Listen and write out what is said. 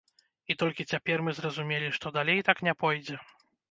І толькі цяпер мы зразумелі, што далей так не пойдзе.